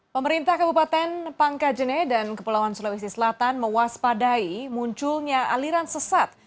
pemerintah kabupaten pangkajene dan kepulauan sulawesi selatan mewaspadai munculnya aliran sesat